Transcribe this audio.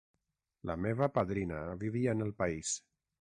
La meva padrina vivia en el país.